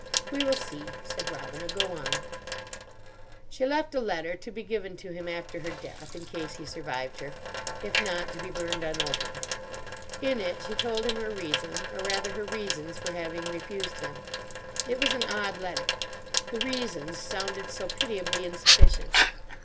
"We will see," said Robina. "Go on." "She left a letter, to be given to him after her death, in case he survived her; if not, to be burned unopened. In it she told him her reason, or rather her reasons, for having refused him. It was an odd letter. The 'reasons' sounded so pitiably insufficient.